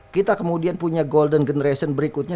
kita kemudian punya golden generation berikutnya